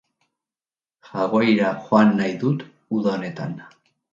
Hawaii-ra joan nahi dut uda honetan